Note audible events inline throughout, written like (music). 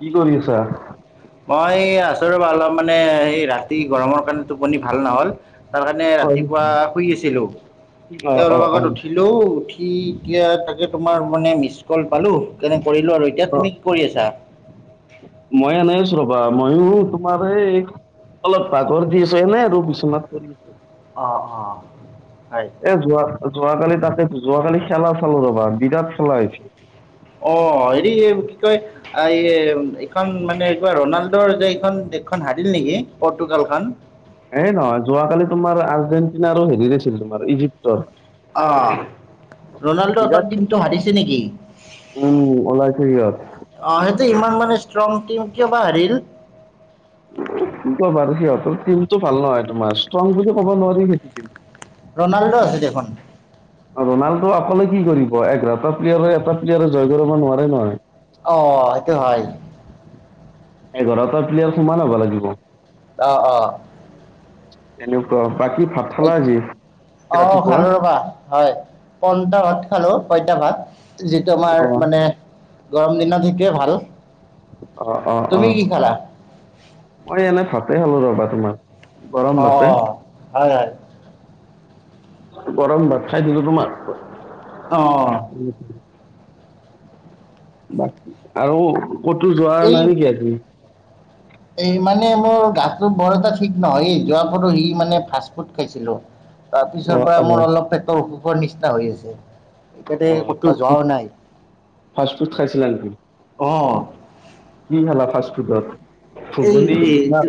কি কৰি আছা? মই আচো ৰবা অলপ মানে এই ৰাতি গৰমৰ কাৰণে টোপনি ভাল নহ'ল। তাৰ কাৰণে হয় ৰাতিপুৱা শুই আছিলো অ এই অ অলপ অ আগত উঠি অ লো উঠি এতিয়া তাকে তোমাৰ মানে মিছ কল পালোঁ তেনে কৰিলোঁ আৰু এতিয়া তুমি। - কৰি আছা মই এনে আছো ৰবা ময়ো তোমাৰ এই। - অলপ পাগৰ দি আছো এনে আৰু বিছনাত পৰি অ অ হয় এ যোৱা- যোৱাকালি তাতে যোৱাকালি খেলা চালো যাবা বিৰাট খেলা হৈছে। অ হেৰি কি কয় আ এই এইখন মানে ক কিবা ৰনাল্ডৰ যে এইখন দেশখন হাৰিল নেকি পৰ্তুগাল খনন। এ নহয় যোৱাকালি তোমাৰ আৰ্জেণ্টিনা আৰু হেৰিৰ আছিল তোমাৰ ইজিপ্তৰ। অ ৰনাল্ডহতৰ বিৰাট টিমটো হাৰিছে নেকি উম ওলাইছে সিহত অ সেইটো ইমান মানে ষ্ট্ৰং টিম কিয় বা হাৰিল (unintelligible) সিহঁতৰ তিমটো ভাল নহয় তোমাৰ ষ্ট্ৰং বুলি ক'ব নোৱাৰি সেইটো তিম ৰনাল্ডো আছে দেখোন অ ৰনাল্ডো অকলে কি কৰিব এঘাৰটা প্লেয়াৰৰ এটা প্লেয়াৰে জয় কৰিব নোৱাৰে নহয়। অ সেইটো হয় এঘাৰটা প্লেয়াৰ সমান হ'ব লাগিব। অ অ। তেনেকোৱা, বাকী ভাত খালা আজি অ, ৰাতিপুৱা খালো ৰবা। হয়। পন্তত খালো, পঁইতা ভাত। যিটো আমাৰ অ মানে গৰম দিনত শিকে ভাল। অ অ অ, তুমি কি খালা মই এনে ভাতে খালো ৰবা তোমাৰ। গৰম অ ভাতে হয় হয়। গৰম ভাত খাই দিলোঁ তোমাৰ। অ। বাক আৰু ক'তো যোৱা এই নাই নেকি আজি? এই মানে মোৰ গাটো বৰ এটা ঠিক নহয়। যোৱ পাৰো ই মানে ফাষ্ট ফুড খাইছিলো। অ তাৰপিছৰ পৰা অ মোৰ অলপ পেটৰ অসুখৰ নিচিনা হৈ আছে। ইয়াতে অ ক'তো ফাষ্টফুড যোৱাও নাই। ফাষ্টফুড খাইছিলা নেকি অ কি খালা ফাষ্ট ফুডত? এই, এইটো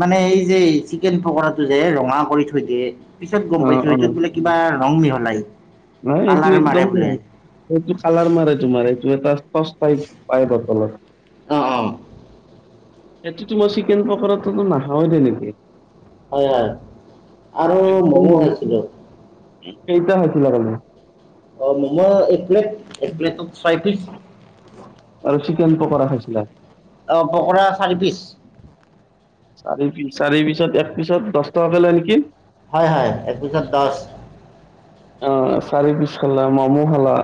মানে এই যে চিকেন ফকৰাটো যে ৰঙা কৰি থৈ দিয়ে পিছত গম অ পাইছো অ সেইটোত বোলে কিবা ৰং মিহলাই নাই এইটো কালাৰ মাৰে একদম বোলে। এইটো কালাৰ মাৰে তোমাৰ এইটো এটা সচ টাইপ পায় ব তলত। অ অ। সেইটো টো মই চিকেন পকৰাটো টো নাখাওয়ে তেনেকে। হয় হয়। আৰু মম' খাইছিলো। কেইট খাইছিলা কালি? অ মমো এক প্লেট এক প্লেট ত চাৰি পিচ। আৰু চিকেন পকৰা খাইছিলা অ পকৰা চাৰি পিচ। চাৰি পি চাৰি পিছত এক পিছত দচ টকা কে লয় নেকি? হয় হয় এক পিছত দচ। অ চাৰি পিছ খালা। মমো খালা?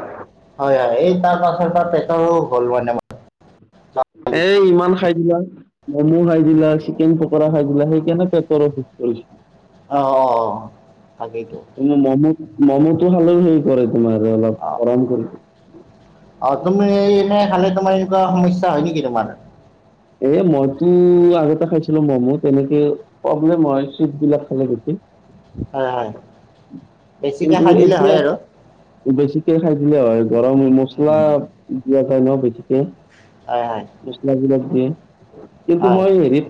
হয় হয়। এই তাৰ পাছৰ তাৰ পেটৰো হ'ল মানে এ ইমান খাই দিবা। ম'মো খাই দিলা, চিকেন পকৰা খাই দিলা সেইকনে পেটটো অলপ বিষ কৰিছে। অ অ অ। তাকেইতো। মমো, ম'মোটো খালেও হেই কৰে তোমাৰ অলপ অ গৰম কৰি অ তুমি এনেই খালে তোমাৰ এনেকুৱা সমস্যা হয় নেকি তোমাৰ? এ মইতো আগতে খাইছিলো। ম'ম' তেনেকে প্ৰব্লেম হয় চুইট বিলাক খালে বেছি। হয় হয়। বেছিকে কিন্তু খাই দিলে এতিয়া হয় আৰু? বেছিকে খাই দিলে হয়। গৰম মছলা উম দিয়া যায় ন বেছিকে। হয় হয়। মছলাবিলাক দিয়ে। কিন্তু মই হেৰি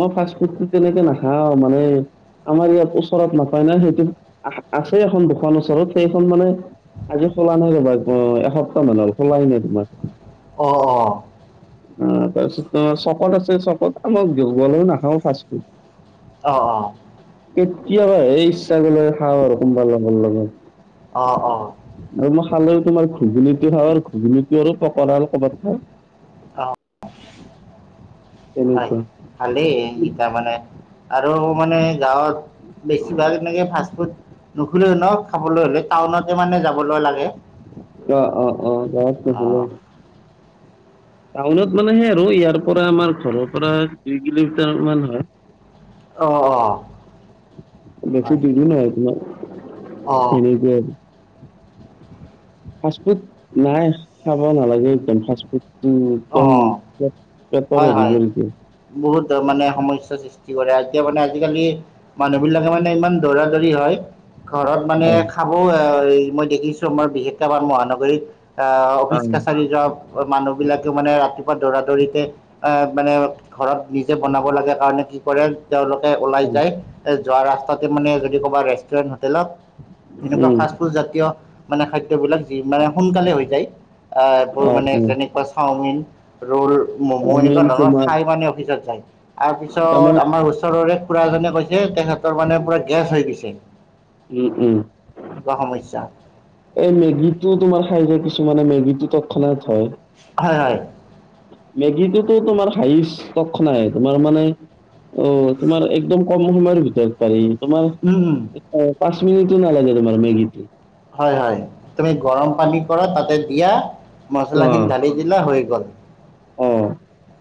মই ফাষ্ট ফুডোটো তেনেকে নাখাও মানে আমাৰ ইয়াত ওচৰত নাপায় ন। সেইটো আছে এখন দোকান ওচৰত সেইখন মানে আজি খোলা নাই ৰবা। এসপ্তাহ মান হল খুলায়ে নাই। তোমাৰ অ অ। তাৰপিছত তোমাৰ চকত আছে, চকত এ মই গলেও নাখাও ফাষ্ট ফুড। অ অ। কেতিয়াবা সেই ইচ্ছা কৰিলে খাওঁ আৰু, কোনোবা লগৰ লগত। অ, অ। আৰু মই খালে তোমাৰ ঘুুগুণীটো খাওঁ আৰু ঘুুনীটো আৰু পকৰা আৰু কৰ'ৰবাত খা অ', হয়, তেনেকুৱা ভালেই ই তাৰ মানে আৰু মানে গাঁৱত বেছিভাগ এনেকে ফাষ্টফুড নুখলে ন খাবলৈ হ'লে টাউনতে মানে যাবলৈ লাগে। অ, অ, অ, (inaudible) টাউনত মানেহে আৰু ইয়াৰ পৰা আমাৰ ঘৰৰ পৰা দুই কিলোমিটাৰ মান হয়। অ', অ', বেছি হয়, (inaudible) তমাৰ। অ', (inaudible) ফাষ্টফুট নাই। খাব নালাগে একদম ফা ফুডটো একদম অ', পেটৰ হয়, হয়। (inaudible) বহুত মানে সমস্য়া সৃষ্টি কৰে এতিয়া মানে আজিকালি মানুহ বিলাকে মানে ইমান দৌৰা দৌৰি হয় ঘৰত মানে হয় খ মই দেখিছোঁ আমাৰ বিশেষকান মহানগৰীত অফিচ হয় কাছাৰী যোৱা মানুহবিলাকেও মানে ৰাতিপুৱা দৌৰা দৌৰিতে, আহ মানে ঘৰত নিজে বনাব লাগে কাৰণে কি কৰে তেওঁলোকে ওলাই হয়। যায় যোৱা ৰাস্তাতে মানে যদি ক'বা ৰেষ্টুৰেণ্ট হোটেলত, এনেকুৱা উম ফাষ্ট ফুড জাতীয় মানে খাদ্যয়বলাক যি মানে সোনকালে হৈ যায়, আহ, এইবোৰ অ মানে অ যেনেকুৱা চাওমিন, ৰল ম'ম' চাওমিন এনেকুৱা ধৰণৰ তোমাৰ খাই মানে অফিচত যায় তাৰ তাৰমানে পিছত আমাৰ ওচৰৰে খুডৰা জনে কৈছে তেখতৰ মানে পুৰা গেছ হৈ গৈছে। উম, উম। কিবা সমস্যা এই মেগীটো তোমাৰ খাই কিছুমানে মেগী টো তৎক্ষনাৎ হয়। হয়, হয়। মেগীটোতো তোমাৰ হাইষ্ট (inaudible) নাই তোমাৰ মানে অ', তোমাৰ একদম কম সময়ৰ ভিতৰত পাৰি। তোমাৰ উম পাঁচ মিনিটত নালাগে তোমাৰ মেগীত। হয়, হয়, তুমি গৰম পানী কৰা তাতে দিয়া মছলা অ খিনি ঢালি দিলা হৈ গ'ল। অ,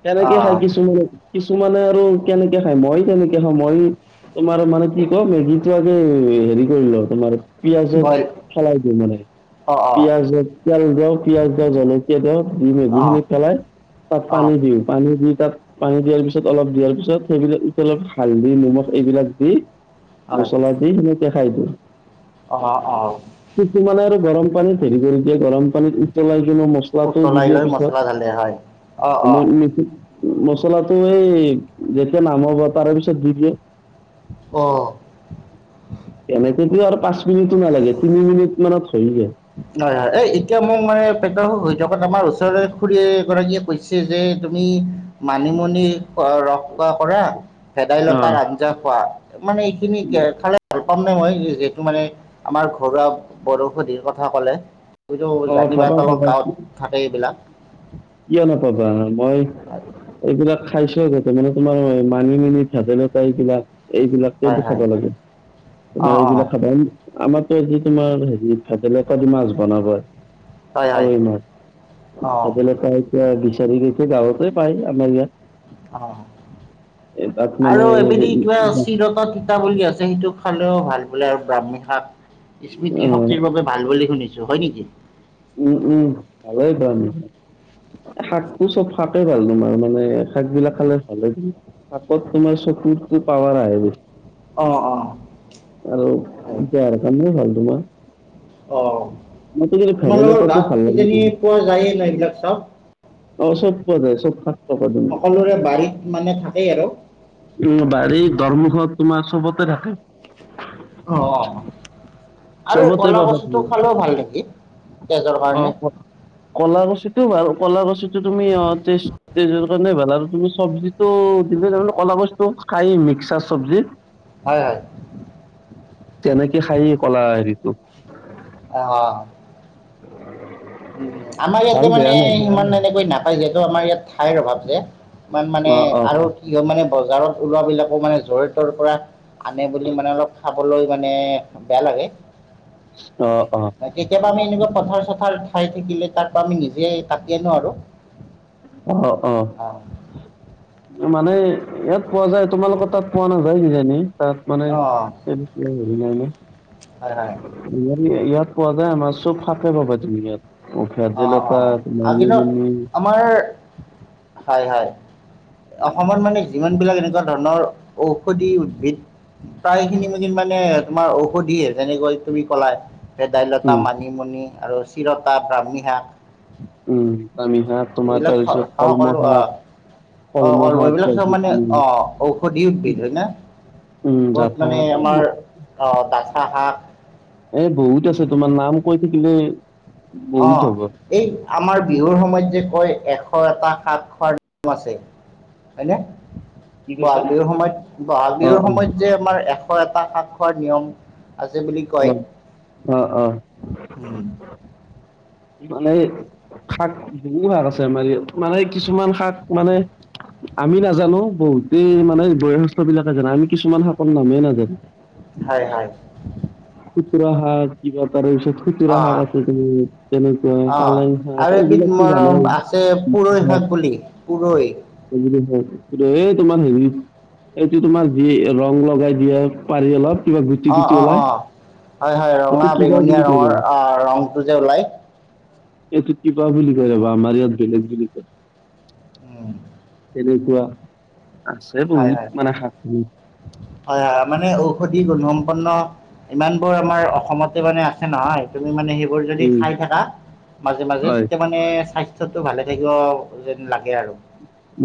সেণেকে খাই অঁ কিছোমানে কিছুমানে আৰু কেনেকে খায় মই কেনেকে খাওঁ মই তোমাৰ মানে কি ক মেগিটো আগে হেৰি কৰিল তোমাৰ, পিয়াজত বইল (inaudible) মানে। অঁ অঁ পিয়য়াজ তেল দি পিয়াজ দ জলকীয়া দি দি অঁ মেগিখিনি পেলাই তাত অঁ পানী দিওঁ পানী দি তাত পানী দিয়াৰ পিছত অলপ দিয়াৰ পিছত সেইবিলাক উতলত হালধি নিমখ এইবিলাক দি, হয় মছলা দি শেনেকে খাই দিওঁ। অ, অ। কিছুমানে আৰু গৰম পানী হেৰি কৰি দিয়ে গৰম পানীত উতলাই কিনেো মছলাটো দি উতলাই দিয়ে লৈ পিছত। (inaudible) হয়। অঁ অঁ (inaudible) মচলাটো এই যেতিয়া নামব হব তাৰে পিছত দি দিয়ে। অ, এনেকেত আৰু পাঁচ মিনিটো নালাগে তিনি মিনিট মানত হৈ যায়। হয় হয় এ এতিয়া মোক মানে পেটৰ হৈ থকাত আমাৰ ওচৰৰে খুুৰী এ গৰাকীয়ে কৈছে, যে তুমি মানিমুনি ৰস খোৱা কৰা অ ভেদাইলতাৰ আঞ্জা খোৱা মানে এইখিনি খালে পাম নাই মই যিহেতু মানে আমাৰ ঘৰুৱা বৰষধিৰ কথা ক'লে। এইতো অ জানিবা পাবা তলৰ পাবা গাঁৱত থাকে এইবিলাক। কিয় নাপাবা মই এইবিলাক খাইছ গতে মানে তোমাৰ মানি মুনি, ভেদাইল লতা এইবিলাক এইবিলাক হয় টো হয় খাব লাগে, অঁ তোমাৰ অঁ এইবিলাক খাব আমাৰতো আজি তোমাৰ হেৰি ভেদাইল লতা দি মাছ বনাব। হয় (unintelligible) হয় অঁ বিচাৰী গৈছে গাঁৱতে পায় আমাৰ ই অ' মানে আৰু এবিধ কিবা চিৰতা বুলি আছে সেইটো খালেও ভাল বোলে আৰু ব্ৰাহ্মিণ শাক অ স্মৃতি শক্তিৰ বাবে ভাল বুলি শুনিছো। হয় নেকি? উম, উম ভালে শাকটো চব শাকেই ভাল তোমাৰ মানে শাক বিলাক খালে ভাল হয়। শাকত তোমাৰ চকুৰটো পাৱাৰ আহ অ', অ'। আৰু হয় দেহৰ কাৰণেও ভাল তোমাৰ। অ' মইতো কিন্তু তোমালোকৰ ভেদাইলতাটো ভাল গাঁৱত লাগে কিজানি কিন্তু পোৱা যায়ে নাই এইবিলাক চাব? অ' চব পোৱা যায় চব শাক পাবা তুমি। সকলোৰে বাৰীত মানে থাকেই আৰু। উম বাৰী দৰমুখত তোমাৰ চবতে থাকে। অ', অ' আৰু এই চবতে কলা পাবা কছুটো খালেও ভাল নেকি? তেজৰ কাৰণে অঁ কলাকছুটো বাৰু কলাকছুটো তুমি অ' তেজৰ কাৰণে ভাল আৰু তুমি চব্জিটো দিলে ক'লাকছুটো খাই মিক্সাৰ চব্জি (inaudible) হয় হয়। তেনেকে খায় কলা হেৰিতটো অ'। উ আমাৰ ভাল ইয়াতে মানে বেয়া নহয় ইমান এনেকৈ নাপাই যহেতু আমাৰ ইয়াত ঠাইৰ অভাৱ যে। ইমান মানে অ অ আৰু কি হয় মানে বজাৰত ওলোৱা বিলাকো মানে জৰি তৰ পৰা আনে বুলি মানে অলপ খাবলৈ মানে বেয়া লাগে। অ অ কেতিয়াবা আমি এনেকুৱা পথাৰ চথাৰ চাই থাকিলে তাৰ পৰা আমি নিজে কাটি আনো আৰু। অ', অ'। অ'। মানে ইয়াত পোৱা যায়, তোমালোকৰ তাত পোৱা নাযায় কিজানি তাত মানে অঁ (unintelligible) হয় হয়। ইয়াত ইয়াত পোৱা যায় আমাৰ চব শাকে পাবা তুমি ইয়াত। ভেদাইল লতা, মানি-মুনি। তোমাৰ হয় হয় অসমৰ মানে যিমান খিনি বিলাক এনেকুৱা ধৰণৰ ঔষধি উদ্ভিদ প্ৰায় খিনি মানে তোমাৰ ঔষধিে যেনেকৈ তুমি কলা ভেদাইলতা, উম, মানিমুনি আৰু চিৰতা, ব্ৰাহ্মী শাক উম কামি শাক তোমাৰ এইবিলাক তাৰপিছত কলম শাক। অ' কলমৌ অল শাক এইবিলাক চব তাৰপিছত মানে তুমি অ' ঔষধি উদ্ভিদ হয় ন? উম, বহুত জাথা মানে শাক এ ব আমাৰ অ' ডাঠা শাক এ বহুত আছে তোমাৰ নাম কৈ থাকিলে বহুত হ'ব অ' এই আমাৰ বিহুৰ সময়ত যে কয় এশ এটা শাক খোবাৰ আছে হয়নে? কি কৈছা বহাগ বিহুৰ সময়ত বহাগ বিহুৰ অ', অ', সময়ত যে আমাৰ এশ এটা শাক খোৱাৰ নিয়ম আছে বুলি কয়। অ', অ', অ', উম। মানে, শাক বহু ভাগ আছে আমাৰ ইাত মানে কিছুমান শাক মানে আমি নাজানো বহুতেই মানে বয়সস্থ বিলাকে জানো আমি কিছুমান শাকৰ নামেই নাজানো। হয়, হয়। কুতুৰা আহ যিবা তাৰে পিছত অ খুচুৰা শাক আছে তুমি কেনেকুৱা অ পালেং আৰু শাক এবিধ এইবিলাকো মোৰ জানাই, আছে পুৰৈ শাক বুলি পুৰৈ। (unintelligible) এই তোমাৰ হেৰি এইটো তোমাৰ যি ৰং লগাই দিয়া পাৰি অলপ কিবা গুটি অ গুটি অ অ ওলাই। হয় হয় এইটো ৰঙা কিবা বেঙুনীয়া বুলি কয় ৰঙৰ ৰ'বা আহ ৰংটো যে ওলায়। এইটো কপা বুলি কয় ৰবা আমাৰ ইয়াত বেলেগ বুলি কয়। উম। তেনেকুৱা, আছে হয় বহুত হয় মানে (unintelligible) হয় হয় মানে ঔষধি গুণসম্পন্ন, ইমান বোৰ আমাৰ অসমত মানে আছে নহয় তুমি মানে সেইবোৰ যদি উম, খাই থাকা, মাজে মাজে হয় মানে স্বাস্থ টো ভালে থাকিব যেন লাগে আৰু,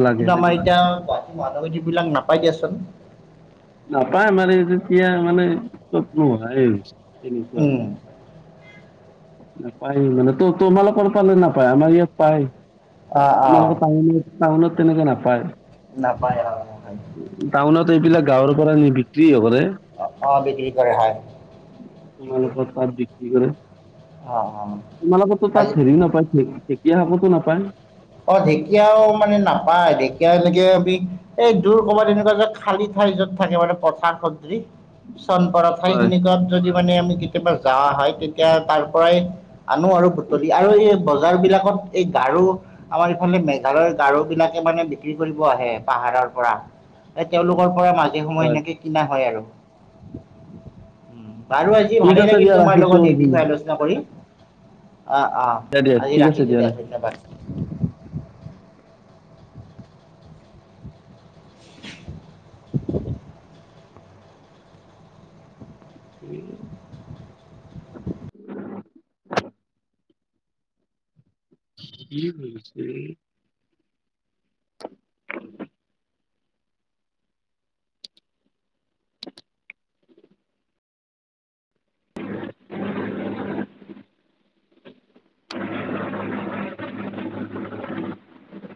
লাগে কিন্তু আমাৰ লাগে এতিয়া গুৱাহাট তি বিলাক নাপাই দিয়াচোন। নাপায় মাৰ যেতিয়া মানে সত্নোহ এনেকুৱা। উম, নাপায় মানে তো তোমালকৰ পালে নাপায় আমাৰ ইয়াত পায়। অ', অ', তোমালোকৰ টাউনত টাউনত তেনেকৈ নাপায়। নাপায়, হয় হয়। টাউনত এইবিলাক গাঁৱৰ পৰা নি বিক্ৰী কৰে। অ' বিক্ৰী কৰে হয়। ঠিকেই তোমালোকৰ তাত বিক্ৰী কৰে, অ', অ', তোমালোকৰ আজি তাত হেৰি নাপাই ঢেকীয়া হাকতো নাপায়? অ' ঢেকীয়াও মানে নাপায়, ঢেকীয়া চাগে আমি এই দূৰ কবাত তেনেকুৱা যে খালী ঠাই যত থাকে মানে পথাৰ স্ৰী চনপৰা হয় ঠাইখিনিকাত যদি মানে আমি কেতিয়াবা যাৱা হয় তেতিয়া তাৰ পৰাই আনো আৰু বুটলি আৰু এই বজাৰ বিলাকত এই গাৰু আমাৰ ইফালে মেঘালয়ৰ গাৰু বিলাকে মানে বিক্ৰী কৰিব আহে পাহাৰৰ পৰা। তেওঁলোকৰ পৰা মাজে সময়ে হয় সেনেকে কিনা হয় আৰু। বাৰু আজি ঠিক ভালেই আছে লাগিল দিয়া তোমাৰ ৰাখিছো লগত এই আজি বিষয়ে আলোচনা কৰি, আ অ'। দিয়া দিয়া আজি ঠিক আছে ৰাখিছো দিয়া, ধন্যবাদ। (inaudible) (inaudible) (inaudible) (inaudible) (inaudible) (inaudible)